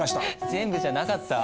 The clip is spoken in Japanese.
全部じゃなかった？